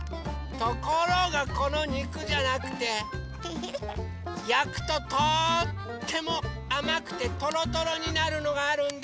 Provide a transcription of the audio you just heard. ところがこのにくじゃなくてやくととってもあまくてトロトロになるのがあるんです！